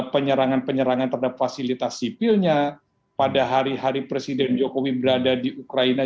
penyerangan penyerangan terhadap fasilitas sipilnya pada hari hari presiden jokowi berada di ukraina